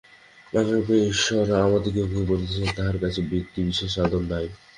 নানারূপে ঈশ্বর আমাদিগকে বলিতেছেন, তাঁহার কাছে ব্যক্তিবিশেষের আদর নাই।